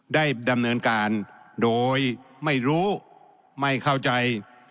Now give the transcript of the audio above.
ได้ดำเนินการโดยไม่รู้ไม่เข้าใจ